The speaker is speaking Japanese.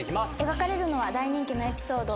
描かれるのは大人気のエピソード